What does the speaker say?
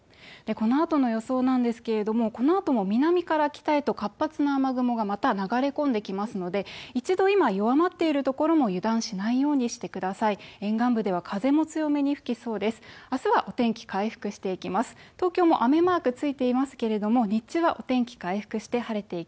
このあとの予想ですけれども、このあとも南から北へと活発な雨雲がまた流れ込んできますので一度弱まっているところも、油断しないようにしてください。